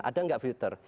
ada nggak filter